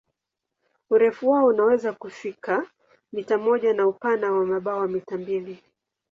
Urefu wao unaweza kufika mita moja na upana wa mabawa mita mbili.